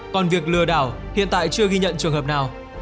còn việc lừa đảo hiện tại chưa ghi nhận trường hợp nào